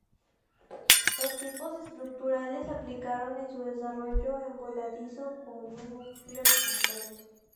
Los tipos estructurales aplicaron en su desarrollo es voladizo, con un núcleo concreto.